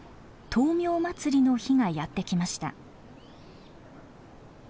灯明祭の日がやって来ました。